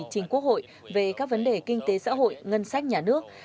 chính quốc hội về các vấn đề kinh tế xã hội ngân sách nhà nước